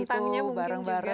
bintangnya mungkin juga